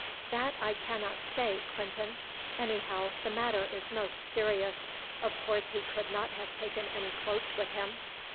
"That I cannot say, Clinton. Anyhow the matter is most serious. Of course he could not have taken any clothes with him?"